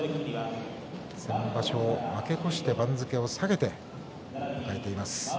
先場所負け越して番付を下げています。